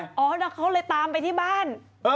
อ๋อแล้วเขาเลยตามไปที่บ้าน